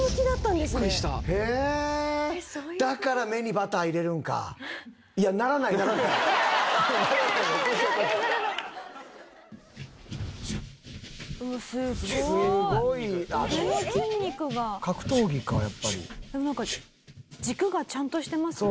でもなんか軸がちゃんとしてますね。